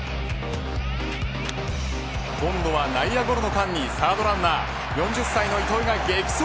今度は内野ゴロの間にサードランナー４０歳の糸井が激走